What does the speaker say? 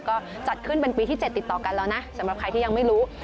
ก็จัดขึ้นเป็นปีที่๗ติดต่อกันแล้วนะสำหรับใครที่ยังไม่รู้